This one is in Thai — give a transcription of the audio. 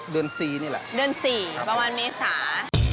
เดือน๔นี่แหละเดือน๔ประมาณเมษา